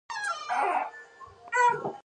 د هیچا مرید نه وو.